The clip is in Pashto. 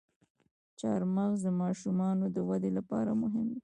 چارمغز د ماشومانو د ودې لپاره مهم دی.